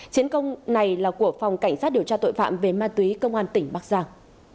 chiến công này là của phòng cảnh sát điều tra tội phạm về ma túy công an tỉnh bắc giang